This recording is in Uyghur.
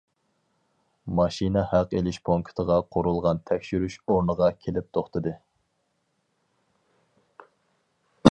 ماشىنا ھەق ئېلىش پونكىتىغا قورۇلغان تەكشۈرۈش ئورنىغا كېلىپ توختىدى .